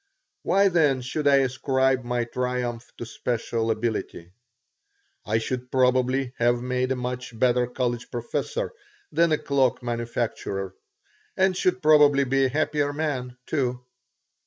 Why, then, should I ascribe my triumph to special ability? I should probably have made a much better college professor than a cloak manufacturer, and should probably be a happier man, too.